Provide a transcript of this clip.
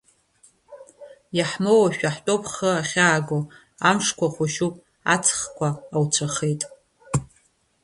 Иаҳмоуашәа ҳтәоуп ҳхы ахьааго, амшқәа хәашьуп, аҵхқәа ауцәахеит.